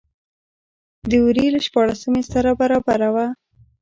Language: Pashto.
د وري له شپاړلسمې سره برابره وه.